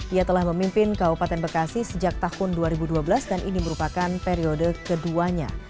ia telah memimpin kabupaten bekasi sejak tahun dua ribu dua belas dan ini merupakan periode keduanya